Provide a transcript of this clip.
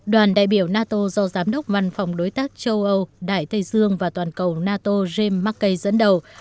đoàn đại biểu nato do giám đốc văn phòng đối tác châu âu đại tây dương và toàn cầu nato james mkey dẫn đầu